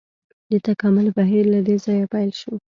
د تکامل بهیر له دې ځایه پیل شو.